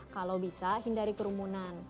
kalau bisa hindari kerumunan